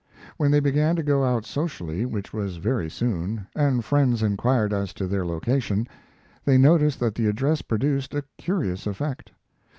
When they began to go out socially, which was very soon, and friends inquired as to their location, they noticed that the address produced a curious effect.